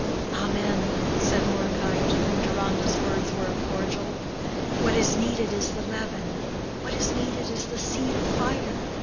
"Amen," said Mordecai, to whom Deronda's words were a cordial. "What is needed is the leaven—what is needed is the seed of fire.